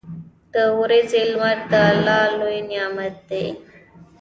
• د ورځې لمر د الله لوی نعمت دی.